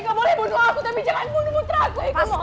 kau boleh bunuh aku tapi jangan bunuh puteraku